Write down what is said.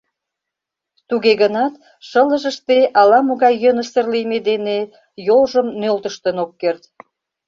Туге гынат шылыжыште ала-могай йӧнысыр лийме дене йолжым нӧлтыштын ок керт.